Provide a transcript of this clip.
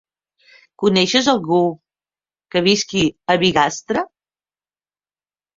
Coneixes algú que visqui a Bigastre?